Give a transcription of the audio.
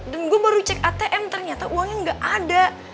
dan gue baru cek atm ternyata uangnya gak ada